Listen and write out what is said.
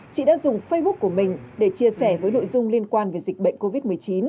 chị đã dùng facebook của mình để chia sẻ với nội dung liên quan về dịch bệnh covid một mươi chín